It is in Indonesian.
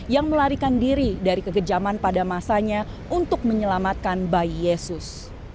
yang melarikan diri dari kegejaman pada masanya untuk menyelamatkan bayi yesus